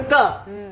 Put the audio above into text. うん。